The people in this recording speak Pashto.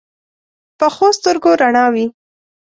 پخو سترګو رڼا وي